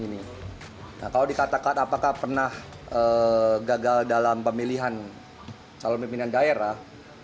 nah kalau dikatakan apakah pernah gagal dalam pemilihan calon pimpinan daerah